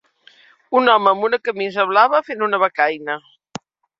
Un home amb una camisa blava fent una becaina.